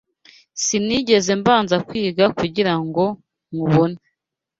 sinigeze mbanza kwiga kugira ngo nywubone